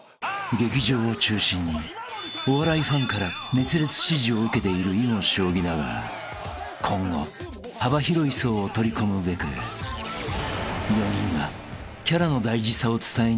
［劇場を中心にお笑いファンから熱烈支持を受けている囲碁将棋だが今後幅広い層を取り込むべく４人が］